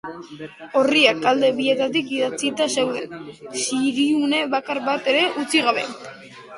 Orriak alde bietatik idatzita zeuden, zuriune bakar bat ere utzi gabe.